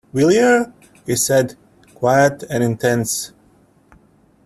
“Will yer?” he said, quiet and intense.